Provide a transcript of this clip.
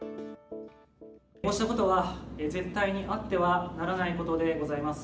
こうしたことは、絶対にあってはならないことでございます。